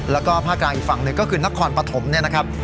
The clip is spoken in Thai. แล้วก็ภาคกลางอีกฝั่งหนึ่งก็คือนครปฐมเนี่ยนะครับ